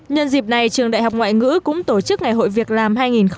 nhân dịp này trường đại học ngoại ngữ cũng tổ chức ngày hội việc làm hai nghìn một mươi chín